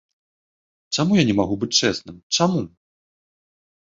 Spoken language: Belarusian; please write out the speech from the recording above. Чаму я не магу быць чэсным, чаму?